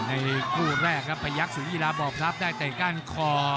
ในคู่แรกครับปลายยกศูนยีราบอบพรับได้แต่ก้านคอ